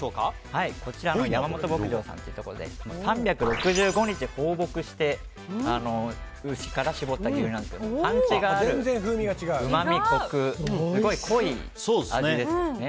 山本牧場さんというところで３６５日、放牧して牛から搾った牛乳なんですがパンチがある、うまみ、コクすごい濃い味ですね。